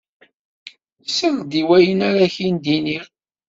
Sel-d i wayen ara ak-d-iniɣ.